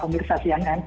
pemirsa siang kan